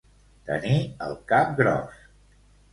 Tenir el cap gros.